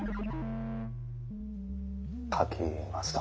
かきますか。